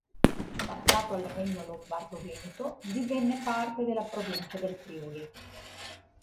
Passato al regno Lombardo-Veneto, divenne parte della provincia del Friuli.